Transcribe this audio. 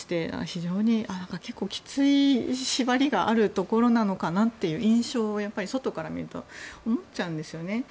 非常にきつい縛りがあるのかなという印象を、やっぱり外から見ると思っちゃうんですよね。